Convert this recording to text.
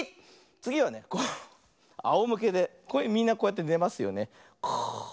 つぎはねあおむけでみんなこうやってねますよね。